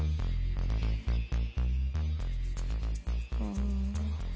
うん。